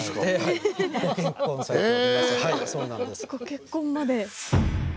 ご結婚まで。